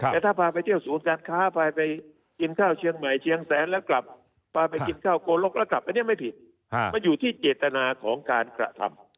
แต่ถ้าพาไปเที่ยวศูนย์การค้าพาไปกินข้าวเชียงใหม่เชียงแสนแล้วกลับพาไปกินข้าวโกลกแล้วกลับอันนี้ไม่ผิดมันอยู่ที่เจตนาของการกระทำ